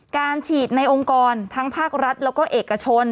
การฉีดในองค์กรทั้งภาครัฐแล้วก็เอกชน